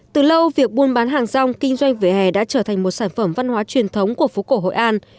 từ lâu việc buôn bán hàng rong kinh doanh về hè đã trở thành một sản phẩm văn hóa truyền thống của phố cổ hội an